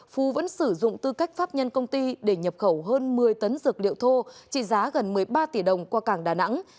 phú vẫn sử dụng tư cách pháp nhân công ty để nhập khẩu hơn một mươi tấn dược liệu thô trị giá gần một mươi ba tỷ đồng qua cảng đà nẵng